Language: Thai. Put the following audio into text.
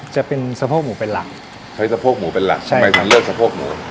จะเป็นสะโพกหมูเป็นหลักใช้สะโพกหมูเป็นหลักทำไมถึงเลือกสะโพกหมู